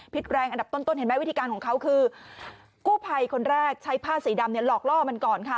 แรงอันดับต้นเห็นไหมวิธีการของเขาคือกู้ภัยคนแรกใช้ผ้าสีดำเนี่ยหลอกล่อมันก่อนค่ะ